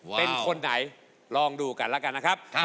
เป็นคนไหนลองดูกันแล้วกันนะครับ